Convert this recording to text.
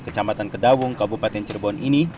kecamatan kedawung kabupaten cirebon ini